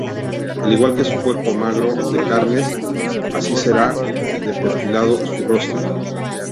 Al igual que su cuerpo magro de carnes, así era de perfilado su rostro.